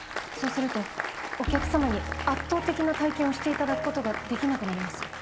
そうするとお客様に圧倒的な体験をしていただくことができなくなります。